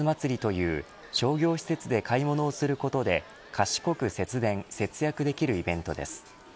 ナツ夏祭りという商業施設で買い物することで賢く節電、節約できるイベントです。